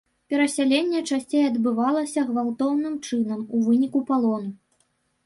Перасяленне часцей адбывалася гвалтоўным чынам, у выніку палону.